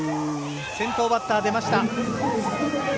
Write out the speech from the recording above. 先頭バッター、出ました。